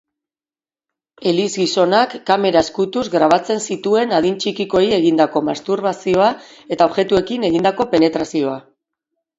Eliz-gizonak kamera ezkutuz grabatzen zituen adin txikikoei egindako masturbazioa eta objektuekin egindako penetrazioa.